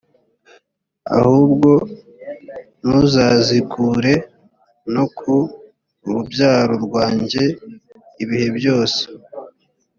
ahubwo ntuzazikure no ku rubyaro rwanjye ibihe byose